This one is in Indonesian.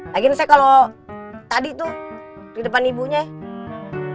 lagiin saya kalau tadi tuh di depan ibunya ya